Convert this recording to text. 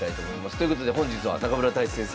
ということで本日は中村太地先生